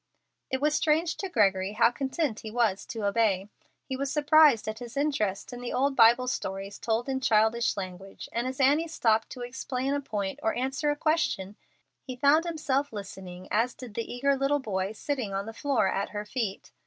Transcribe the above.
It was strange to Gregory how content he was to obey. He was surprised at his interest in the old Bible stories told in childish language, and as Annie stopped to explain a point or answer a question, he found himself listening as did the eager little boy sitting on the floor at her feet.